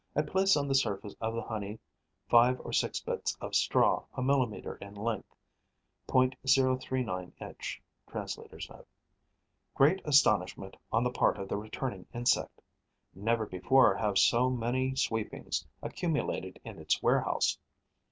I place on the surface of the honey five or six bits of straw a millimetre in length. (.039 inch. Translator's Note.) Great astonishment on the part of the returning insect. Never before have so many sweepings accumulated in its warehouse.